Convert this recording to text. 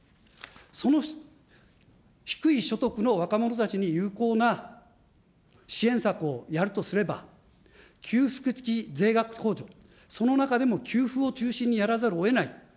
その低い所得の若者たちに有効な支援策をやるとすれば、給付付き税額控除、その中でも給付を中心にやらざるをえない。